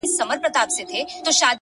خو زه بيا داسي نه يم ـ